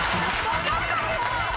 分かんないよ！